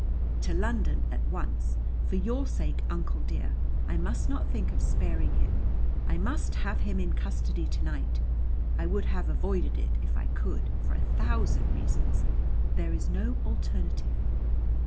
"To London at once. For your sake, Uncle dear, I must not think of sparing him. I must have him in custody to night. I would have avoided it, if I could for a thousand reasons; but there is no alternative."